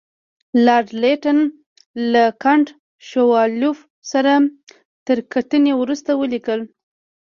لارډ لیټن له کنټ شووالوف سره تر کتنې وروسته ولیکل.